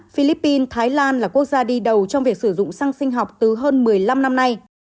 philippines thái lan là quốc gia đi đầu trong việc sử dụng săng sinh học từ hơn một mươi năm năm nay